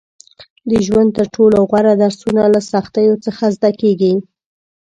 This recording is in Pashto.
• د ژوند تر ټولو غوره درسونه له سختیو څخه زده کېږي.